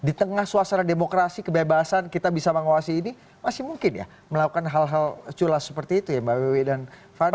di tengah suasana demokrasi kebebasan kita bisa mengawasi ini masih mungkin ya melakukan hal hal culas seperti itu ya mbak wiwi dan fani